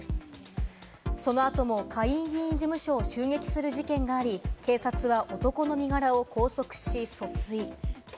その後も下院議員事務所を襲撃する事件があり、警察は男の身柄を拘束し訴追。